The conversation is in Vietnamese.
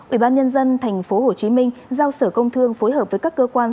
ubnd tp hcm giao sở công thương phối hợp với các cơ quan